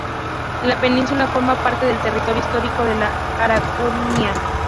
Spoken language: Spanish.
La península forma parte del territorio histórico de la Araucanía.